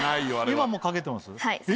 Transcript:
今もかけてます？